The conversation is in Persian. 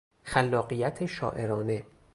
خلاقیت شاعرانه